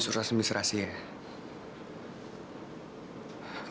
ya brandon jangan letakkan dia even playin'